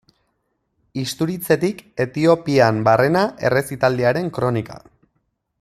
Isturitzetik Etiopian barrena errezitaldiaren kronika.